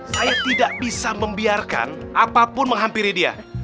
saya tidak bisa membiarkan apapun menghampiri dia